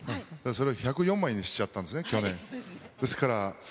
それを１０４枚にしちゃったんですね、去年。